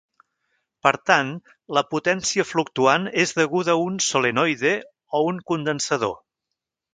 Per tant la potència fluctuant és deguda a un solenoide o un condensador.